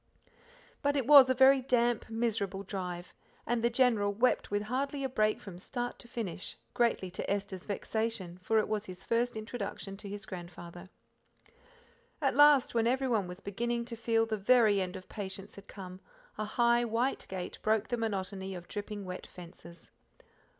But it was a very damp, miserable drive, and the General wept with hardly a break from start to finish, greatly to Esther's vexation, for it was his first introduction to his grandfather. At last, when everyone was beginning to feel the very end of patience had come, a high white gate broke the monotony of dripping wet fences.